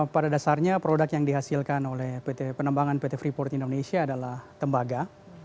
pada dasarnya produk yang dihasilkan oleh penembangan pt freeport indonesia adalah tembaga